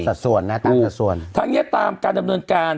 ตามส่วนนะตามส่วนทั้งนี้ตามการดำเนินการ